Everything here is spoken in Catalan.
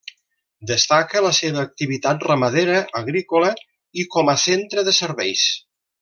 Destaca la seva activitat ramadera, agrícola i com a centre de serveis.